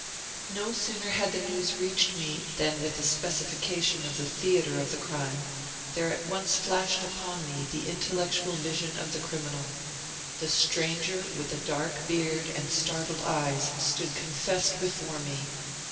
No sooner had the news reached me, than with the specification of the theater of the crime there at once flashed upon me the intellectual vision of the criminal: the stranger with the dark beard and startled eyes stood confessed before me!